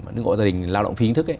những hộ gia đình lao động phi hình thức